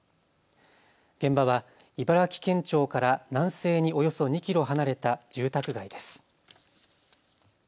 現場は茨城県庁から南西におよそ２キロ離れた住宅街です。